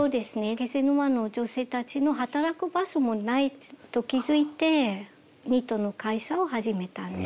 気仙沼の女性たちの働く場所もないと気付いてニットの会社を始めたんです。